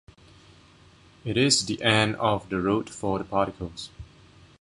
It is""the end of the road for the particles.